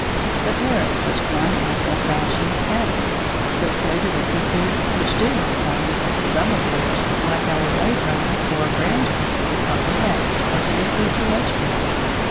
The parrots, which climb after a fashion, have it; but so do the cuckoos, which do not climb, some of which, like our road runner, or ground cuckoo of the West, are strictly terrestrial.